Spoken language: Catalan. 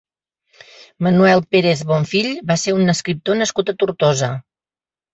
Manuel Pérez Bonfill va ser un escriptor nascut a Tortosa.